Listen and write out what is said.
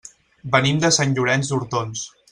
Venim de Sant Llorenç d'Hortons.